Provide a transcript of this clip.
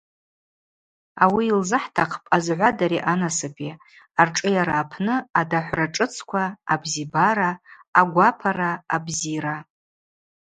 Ауи йылзыхӏтахъпӏ азгӏвадари анасыпи, аршӏыйара апны адахӏвра шӏыцква, абзибара, агвапара, абзира!